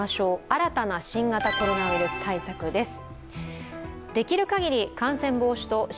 新たな新型コロナウイルス対策です。